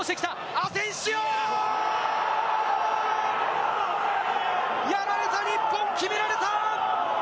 アセンシオ！やられた日本、決められた！